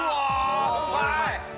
うまい！